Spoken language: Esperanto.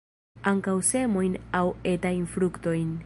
Ankaŭ semojn aŭ etajn fruktojn.